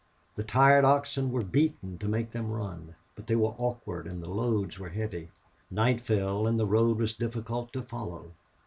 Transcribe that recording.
The tired oxen were beaten to make them run. But they were awkward and the loads were heavy. Night fell, and the road was difficult to follow.